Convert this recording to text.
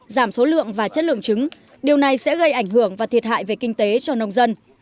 giảm số lượng và chất lượng trứng điều này sẽ gây ảnh hưởng và thiệt hại về kinh tế cho nông dân